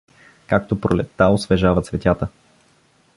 както пролетта освежава цветята.